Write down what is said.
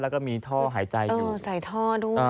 แล้วก็มีท่อหายใจอยู่